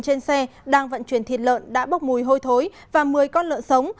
trên xe đang vận chuyển thịt lợn đã bốc mùi hôi thối và một mươi con lợn sống